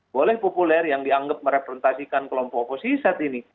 boleh populer yang dianggap mereferentasikan kelompok kelompok sisat ini